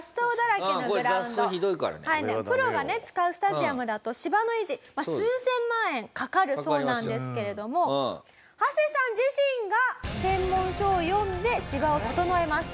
プロがね使うスタジアムだと芝の維持数千万円かかるそうなんですけれどもハセさん自身が専門書を読んで芝を整えます。